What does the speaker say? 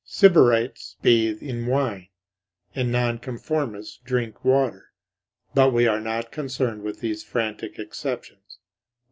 Sybarites bathe in wine, and Nonconformists drink water; but we are not concerned with these frantic exceptions.